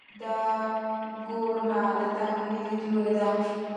دا ګورنه له تحلیلي لیدلوري ده.